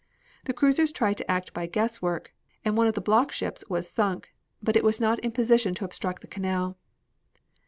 The cruisers tried to act by guess work, and one of the block ships was sunk, but it was not in a position to obstruct the canal.